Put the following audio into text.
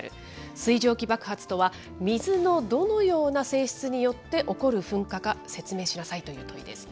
水蒸気爆発とは、水のどのような性質によって起こる噴火か、説明しなさいという問いですね。